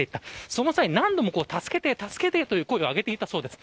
その際、何度も助けてという声を上げていたそうです。